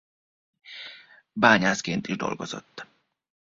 Bányászként is dolgozott.